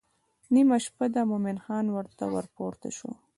نیمه شپه ده مومن خان ورته ورپورته شو.